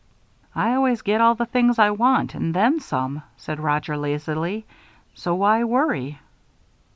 "I always get all the things I want and then some," said Roger, lazily, "so why worry?"